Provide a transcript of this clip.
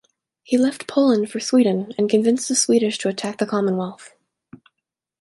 He left Poland for Sweden, and convinced the Swedish to attack the Commonwealth.